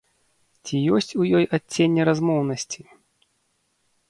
Ці ёсць у ёй адценне размоўнасці?